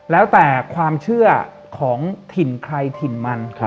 แล้วแต่ความเชื่อของถิ่นใครถิ่นมัน